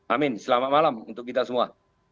amin selamat malam untuk kita semua